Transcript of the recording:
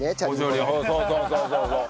そうそうそうそうそう。